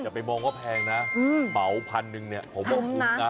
ไปมองว่าแพงนะเหมาพันหนึ่งเนี่ยผมว่าคุ้มนะ